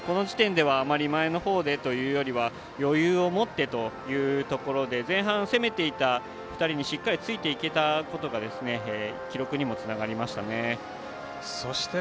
あまり前のほうでというより余裕を持ってというところで前半攻めていた２人にしっかりついていけたことが記録にもつながりましたね。